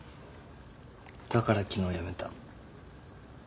だから昨日やめた。